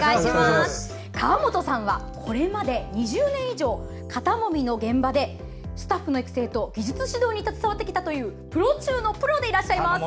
川本さんは、これまで２０年以上肩もみの現場でスタッフの育成と技術指導に携わってきたというプロ中のプロでいらっしゃいます。